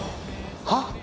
はっ？